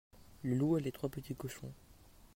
le loup et les trois petits cochons.